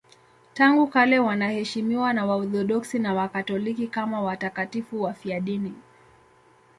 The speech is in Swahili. Tangu kale wanaheshimiwa na Waorthodoksi na Wakatoliki kama watakatifu wafiadini.